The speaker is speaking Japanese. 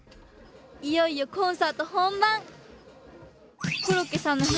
いよいよコンサートほんばん。